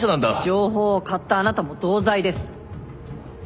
情報を買ったあなたも同罪です！